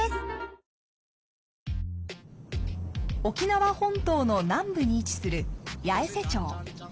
沖縄本島の南部に位置する八重瀬町。